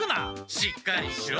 しっかりしろ！